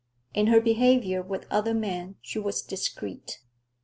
In her behavior with other men she was discreet.